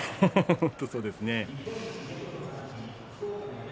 そうですね。